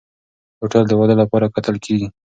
هوټل د واده لپاره کتل کېږي.